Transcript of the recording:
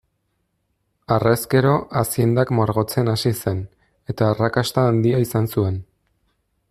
Harrezkero aziendak margotzen hasi zen, eta arrakasta handia izan zuen.